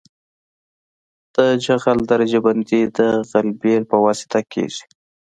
د جغل درجه بندي د غلبیل په واسطه کیږي